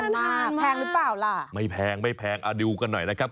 หน้าแพงหรือเปล่าล่ะไม่แพงไม่แพงอ่าดูกันหน่อยนะครับ